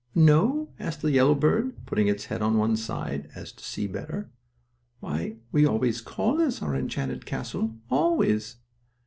"No?" asked the yellow bird, putting its head on one side, so as to see better. "Why, we always call this our enchanted castle; always."